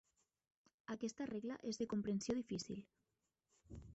Aquesta regla és de comprensió difícil.